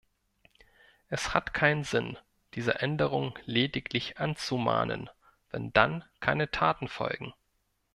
Es hat keinen Sinn, diese Änderungen lediglich anzumahnen, wenn dann keine Taten folgen.